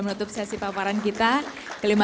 mungkin itu dari kami